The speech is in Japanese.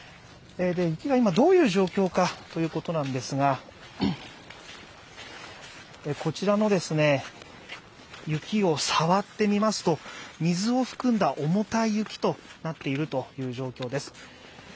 雪が今どういう状況かということなんですがこちらの雪を触ってみますと、水を含んだ重たい雪となっているという状況です。